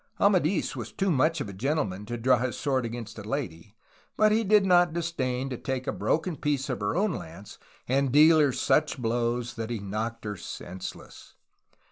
Amadis was too much of a gentleman to draw his sword against a lady, but did not disdain to take a broken piece of her own lance and deal her such blows that he knocked her senseless.